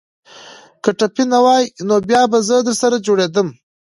که ټپي نه واى نو بيا به زه درسره جوړېدم.